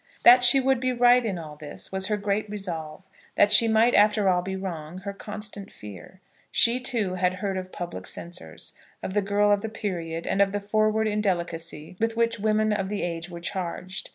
That she would be right in all this, was her great resolve; that she might after all be wrong, her constant fear. She, too, had heard of public censors, of the girl of the period, and of the forward indelicacy with which women of the age were charged.